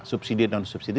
subsidi dan subsidi